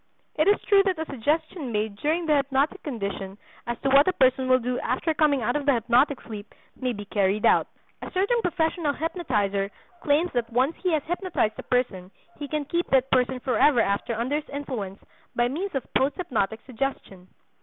It is true that a suggestion made during the hypnotic condition as to what a person will do after coming out of the hypnotic sleep may be carried out. A certain professional hypnotizer claims that once he has hypnotized a person he can keep that person forever after under his influence by means of post hypnotic suggestion.